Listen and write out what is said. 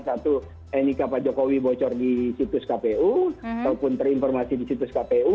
satu nik pak jokowi bocor di situs kpu ataupun terinformasi di situs kpu